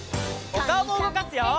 おかおもうごかすよ！